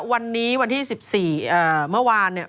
วันนี้วันที่๑๔เมื่อวาน